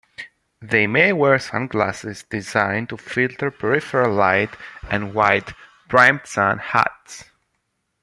They may wear sunglasses designed to filter peripheral light and wide-brimmed sun hats.